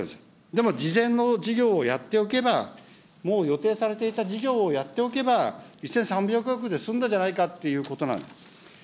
でも、事前の事業をやっておけば、もう予定されていた事業をやっておけば、１３００億で済んだじゃないかということなんです。